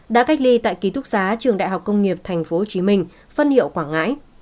đã cách ly tại ký túc xá trường đại học công nghiệp tp hcm phân hiệu quảng ngãi